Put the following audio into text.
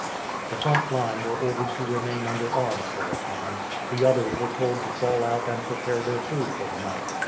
The front line were ordered to remain under arms for a time; the others were told to fall out and prepare their food for the night.